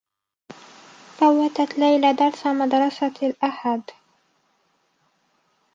فوّتت ليلى درس مدرسة الأحد.